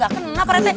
gak kena parete